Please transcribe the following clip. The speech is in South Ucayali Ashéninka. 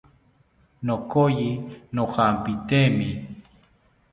Nokoyi nojampitemi